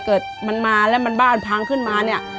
เกิดมันมาแล้วมันบ้านพังขึ้นมาเนี่ย